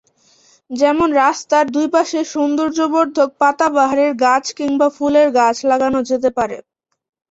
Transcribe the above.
যেমন রাস্তার দুই পাশে সৌন্দর্যবর্ধক পাতাবাহারের গাছ কিংবা ফুলের গাছ লাগানো যেতে পারে।